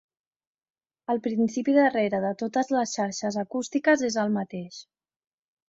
El principi darrere de totes les xarxes acústiques és el mateix.